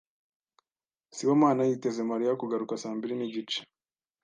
Sibomana yiteze Mariya kugaruka saa mbiri nigice.